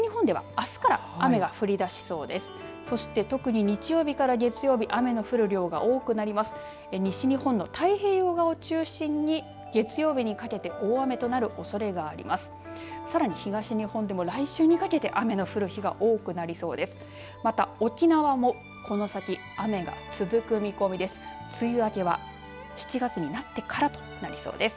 さらに東日本でも来週にかけて雨の降る日が多くなりそうです。